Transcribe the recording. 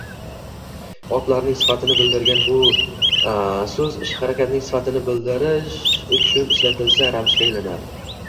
Otlarning sifatini bildirgan soʻz ish-harakatning sifatini bildirish uchun ishlatilsa, ravishga aylanadi